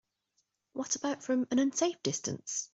What about from an unsafe distance?